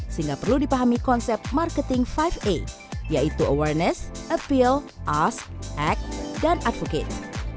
sehingga perlu dipahami konsep marketing lima a yaitu awareness appeal as ac dan advocate